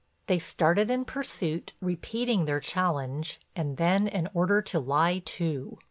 They started in pursuit, repeating their challenge and then an order to lie to.